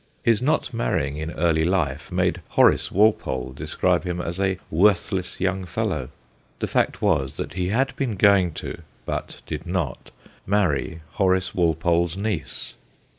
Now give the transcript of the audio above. His not marrying in early life made Horace Walpole describe him as a worthless young fellow. The fact was that he had been going to, but did not, marry Horace Walpole's niece.